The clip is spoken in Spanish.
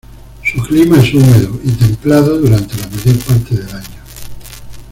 Su clima es húmedo y templado durante la mayor parte del año.